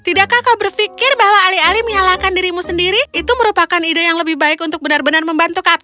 tidakkah kau berpikir bahwa alih alih menyalahkan dirimu sendiri itu merupakan ide yang lebih baik untuk benar benar membantu kami